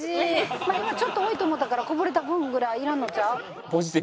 でもちょっと多いと思ったからこぼれた分ぐらいいらんのちゃう？